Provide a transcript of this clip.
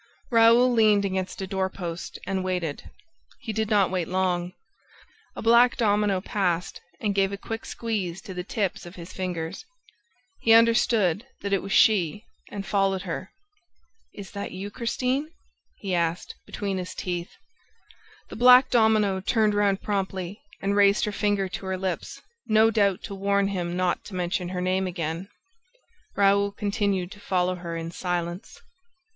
Raoul leaned against a door post and waited. He did not wait long. A black domino passed and gave a quick squeeze to the tips of his fingers. He understood that it was she and followed her: "Is that you, Christine?" he asked, between his teeth. The black domino turned round promptly and raised her finger to her lips, no doubt to warn him not to mention her name again. Raoul continued to follow her in silence.